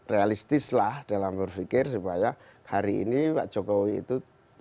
realistislah dalam berpikir supaya hari ini pak jokowi itu